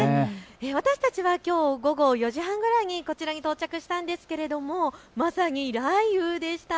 私たちはきょう午後４時半ぐらいにこちらに到着したんですがまさに雷雨でした。